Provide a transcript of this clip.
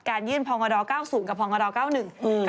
การยื่นพองศาสตร์๙๐กับพองศาสตร์๙๑